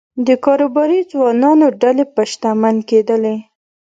د کاروباري ځوانانو ډلې به شتمن کېدلې